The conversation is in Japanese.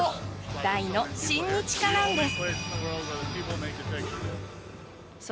大の親日家なんです。